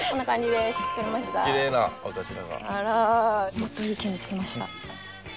もっといい毛見つけました。